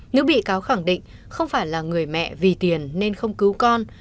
nữ bị cáo khẳng định không phải là người mẹ vì tiền nên không cứu con